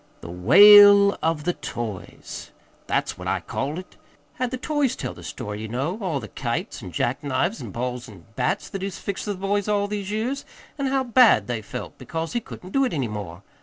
'The wail of the toys' that's what I called it had the toys tell the story, ye know, all the kites an' jack knives an' balls an' bats that he's fixed for the boys all these years, an' how bad they felt because he couldn't do it any more.